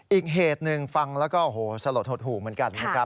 อีกเหตุหนึ่งฟังแล้วก็โอ้โหสลดหดหู่เหมือนกันนะครับ